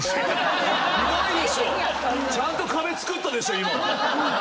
ちゃんと壁つくったでしょ今。